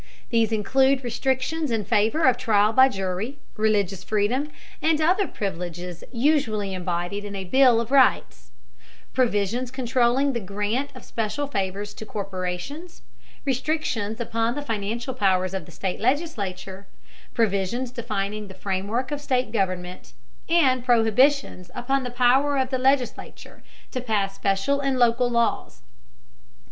These include restrictions in favor of trial by jury, religious freedom, and other privileges usually embodied in a bill of rights; provisions controlling the grant of special favors to corporations; restrictions upon the financial powers of the state legislature; provisions defining the framework of state government; and prohibitions upon the power of the legislature to pass special and local laws.